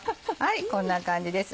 こんな感じですね。